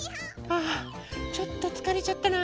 あちょっとつかれちゃったな。